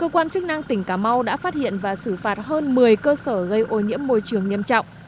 cơ quan chức năng tỉnh cà mau đã phát hiện và xử phạt hơn một mươi cơ sở gây ô nhiễm môi trường nghiêm trọng